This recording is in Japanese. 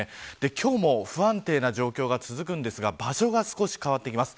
今日も不安定な状況が続くんですが場所が少し変わってきます。